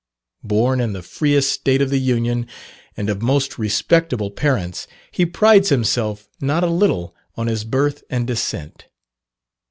Born in the freest state of the Union, and of most respectable parents, he prides himself not a little on his birth and descent.